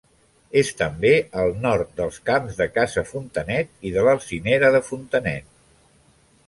És també al nord dels Camps de Casa Fontanet i de l'Alzinera de Fontanet.